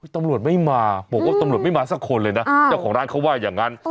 ตำรวจไม่มาบอกว่าตำรวจไม่มาสักคนเลยนะเจ้าของร้านเขาว่าอย่างนั้น